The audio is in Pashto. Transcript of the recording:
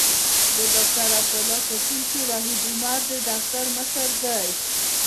د ډاکټر عبدالله په ټیم کې وحید عمر د دفتر مشر دی.